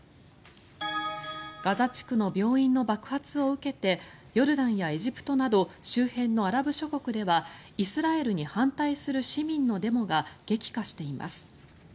ガザ地区の病院の爆発を受けてヨルダンやエジプトなど周辺のアラブ諸国ではイスラエルに反対する市民のデモが激化しています。